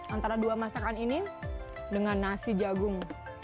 antara dua masakan ini dengan nasi jagung